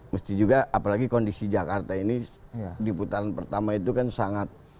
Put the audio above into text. mesti juga apalagi kondisi jakarta ini di putaran pertama itu kan sangat